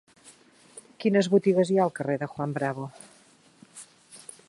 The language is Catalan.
Quines botigues hi ha al carrer de Juan Bravo?